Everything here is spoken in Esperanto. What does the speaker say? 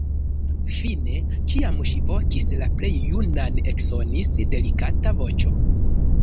Fine, kiam ŝi vokis la plej junan, eksonis delikata voĉo.